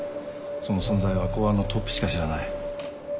その存在は公安のトップしか知らない。